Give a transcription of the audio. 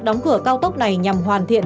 đóng cửa cao tốc này nhằm hoàn thiện